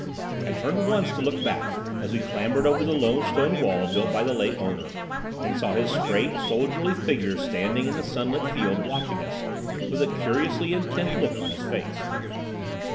I turned once to look back as we clambered over the low stone wall built by the late owner, and saw his straight, soldierly figure standing in the sunlit field watching us with a curiously intent look on his face.